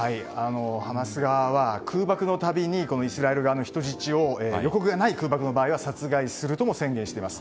ハマス側は空爆のたびにイスラエル側の人質を予告がない空爆の場合は殺害するとも宣言しています。